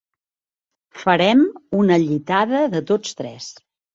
Farem una llitada de tots tres.